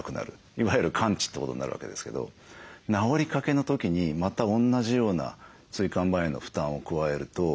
いわゆる完治ってことになるわけですけど治りかけの時にまた同じような椎間板への負担を加えるとそこに痛みが出てしまうと。